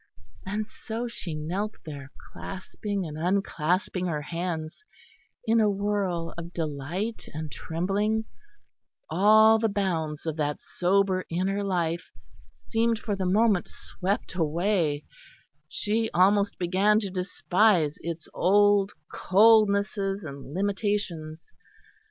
And so she knelt there, clasping and unclasping her hands, in a whirl of delight and trembling; all the bounds of that sober inner life seemed for the moment swept away; she almost began to despise its old coldnesses and limitations.